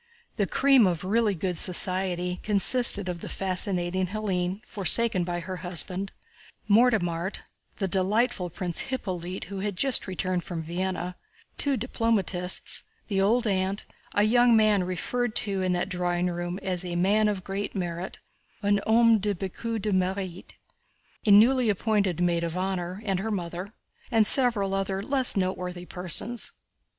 The "cream of really good society" consisted of the fascinating Hélène, forsaken by her husband, Mortemart, the delightful Prince Hippolyte who had just returned from Vienna, two diplomatists, the old aunt, a young man referred to in that drawing room as "a man of great merit" (un homme de beaucoup de mérite), a newly appointed maid of honor and her mother, and several other less noteworthy persons.